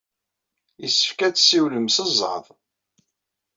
Yessefk ad tessiwlem s zzeɛḍ.